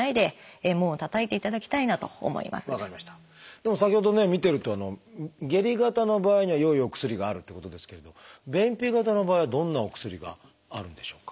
でも先ほどね見てると下痢型の場合には良いお薬があるってことですけれど便秘型の場合はどんなお薬があるんでしょうか？